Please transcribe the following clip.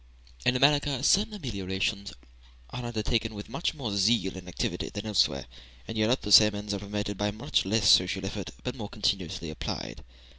In America certain ameliorations are undertaken with much more zeal and activity than elsewhere; in Europe the same ends are promoted by much less social effort, more continuously applied.